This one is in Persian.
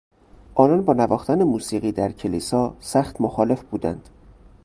آنان با نواختن موسیقی در کلیسا سخت مخالف بودند.